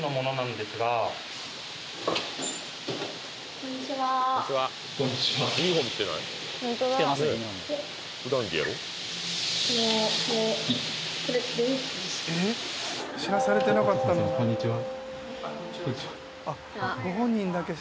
こんにちはあっこんにちは